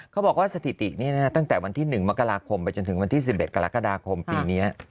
เขาบอกว่าสถิตินี้ตั้งแต่วันที่๑มกราคมไปจนถึงวันที่๑๑กรกฎาคมปีนี้